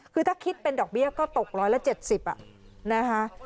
คือถ้าคิดเป็นดอกเบี้ยก็ตกร้อยละ๗๐บาท